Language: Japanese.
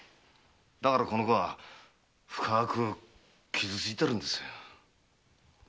だからこの子は深く傷ついてるんです。